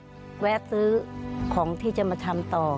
พอขายเสร็จแวะซื้อของที่จะมาทำต่อ